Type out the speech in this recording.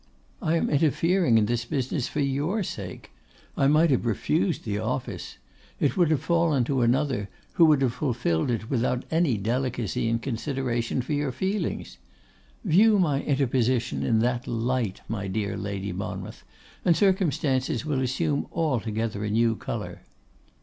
I am interfering in this business for your sake. I might have refused the office. It would have fallen to another, who would have fulfilled it without any delicacy and consideration for your feelings. View my interposition in that light, my dear Lady Monmouth, and circumstances will assume altogether a new colour.